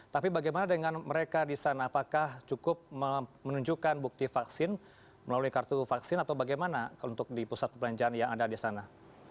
tapi bagaimana dengan mereka di sana apakah cukup menunjukkan bukti vaksin melalui kartu vaksin atau bagaimana untuk di pusat perbelanjaan yang ada di sana